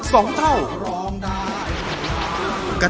ร้องได้ให้ร้อง